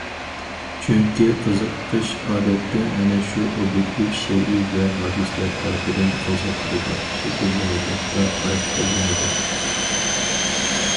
چۈنكى، قىزىقىش ئادەتتە ئەنە شۇ ئوبيېكتىپ شەيئى ۋە ھادىسىلەر تەرىپىدىن قوزغىتىلىدۇ، شەكىللىنىدۇ ۋە خاراكتېرلىنىدۇ.